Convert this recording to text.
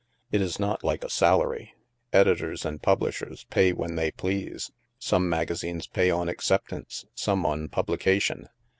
It is not like a salary. Editors and publishers pay when they please. Some magazines pay on acceptance, some on publication.